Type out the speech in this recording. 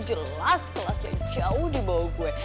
jelas kelasnya jauh di bawah gue